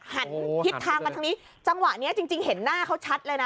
หันทิศทางมาทางนี้จังหวะนี้จริงเห็นหน้าเขาชัดเลยนะ